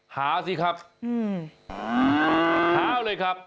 สิครับหาวเลยครับ